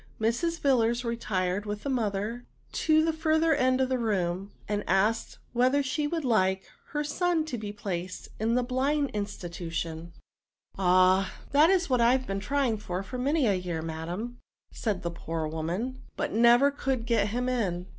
Mrs. Yil lars retired with the mother to the further end of the room, and asked her whether she wotdd like her son to be placed in the Blind Institution. 132 NOUNS. *' Ah ! that is what I have been trying for, many a year, ma'am," said the poor woman, '* but never could get him in.